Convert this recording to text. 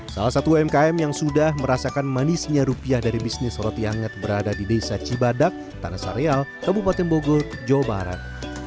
salah satu umkm yang sudah merasakan manisnya rupiah dari bisnis roti anget berada di desa cibadak tanah sareal kabupaten bogor jawa barat